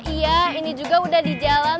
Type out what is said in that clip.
iya ini juga udah di jalan